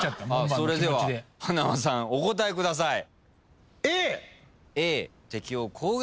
それでは塙さんお答えください。